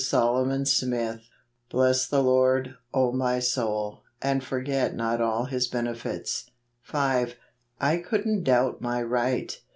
Solomon Smith. " Bless the Lord, 0 ray soul , and forget not all his benefits ." 5. I couldn't doubt my right.